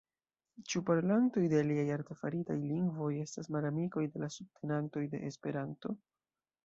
Ĉu parolantoj de aliaj artefaritaj lingvoj estas malamikoj de la subtenantoj de Esperanto?